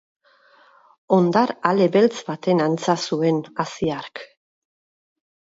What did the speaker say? Hondar ale beltz baten antza zuen hazi hark.